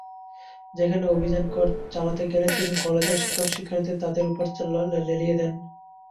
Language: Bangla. সেখানে অভিযান চালাতে গেলে তিনি কলেজের শিক্ষক-শিক্ষার্থীদের তাদের ওপর লেলিয়ে দেন।